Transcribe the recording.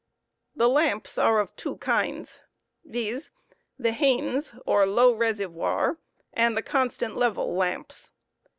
The lamps are of two kinds, viz: TheHains or low reservoir and the constant level lamps.